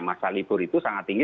masa libur itu sangat tinggi